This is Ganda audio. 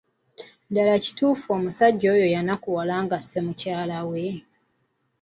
Ddala kituufu omusajja oyo yanakuwala ng’asse mukyala we?